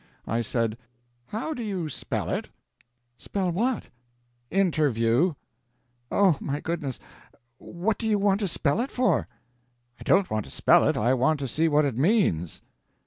I said: "How do you spell it?" "Spell what?" "Interview." "Oh, my goodness! what do you want to spell it for?" "I don't want to spell it; I want to see what it means."